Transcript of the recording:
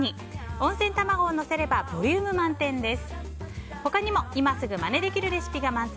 温泉卵をのせればボリューム満点です。